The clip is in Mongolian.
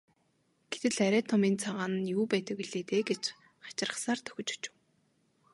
Гэтэл арай том энэ цагаан нь юу байдаг билээ дээ гэж хачирхсаар дөхөж очив.